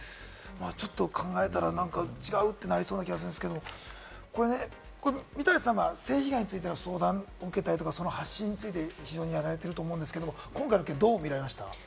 ちょっと考えたら違うってなりそうな気がするんですけれども、これね、みたらしさんは性被害についての相談を受けたり、発信をされてると思うんですけれども、今回の件、どうみられました？